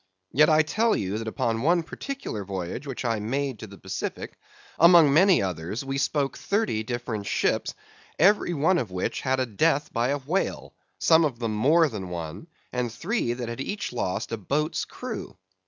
Yet I tell you that upon one particular voyage which I made to the Pacific, among many others we spoke thirty different ships, every one of which had had a death by a whale, some of them more than one, and three that had each lost a boat's crew.